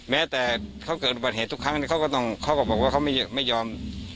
แม้แต่เขาเกิดปัญหาทุกครั้งนี่เขาก็ต้องเขาก็บอกว่าเขาไม่ไม่ยอม